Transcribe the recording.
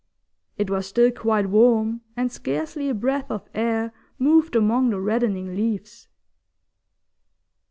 It was still quite warm, and scarcely a breath of air moved among the reddening leaves.